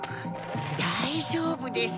大丈夫です。